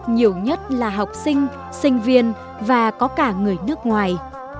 nhiều nhất là học sinh sinh viên và có cả người nước ngoài